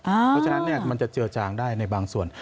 เพราะฉะนั้นมันจะเจือจางได้ในบางส่วน